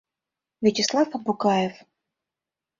Вячеслав Абукаев